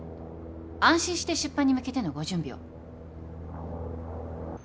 安心して出版に向けてのご準備を。